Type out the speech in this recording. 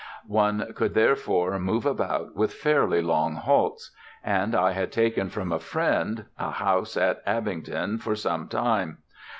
One could therefore move about with fairly long halts: and I had taken from a friend a house at Abingdon for some time.